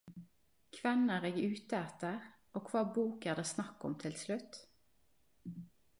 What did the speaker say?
Kven er eg ute etter og kva bok er det snakk om til slutt?